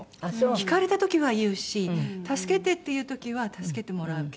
聞かれた時は言うし助けてっていう時は助けてもらうけども。